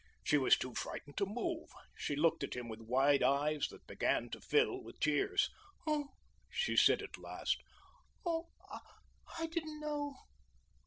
She was too frightened to move. She looked at him with wide eyes that began to fill with tears. "Oh," she said, at last, "oh I didn't know."